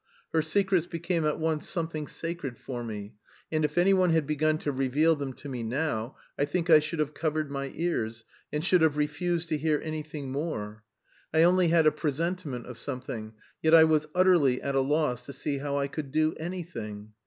Her secrets became at once something sacred for me, and if anyone had begun to reveal them to me now, I think I should have covered my ears, and should have refused to hear anything more. I only had a presentiment of something... yet I was utterly at a loss to see how I could do anything.